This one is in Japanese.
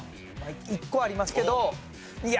１個ありますけどいや